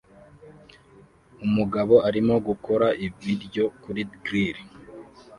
Umugabo arimo akora ibiryo kuri grill